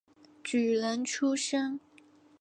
举人出身。